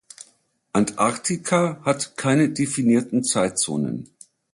Antarktika hat keine definierten Zeitzonen.